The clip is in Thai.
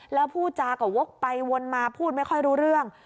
แล้วพูดจาก็วกไปวนมาพูดไม่ค่อยรู้เรื่อง